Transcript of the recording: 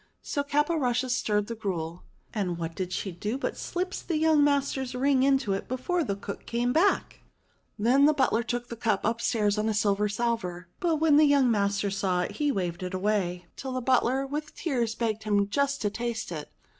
So Caporushes stirred the gruel, and what did she do but slips young master's ring into it before the cook came back ! Then the butler took the cup upstairs on a silver salver. But when the young master saw it he waved it away, till the butler with tears begged him just to taste it.